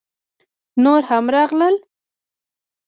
_نور هم راغلل!